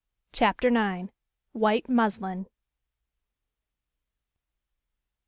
CHAPTER IX. WHITE MUSLIN.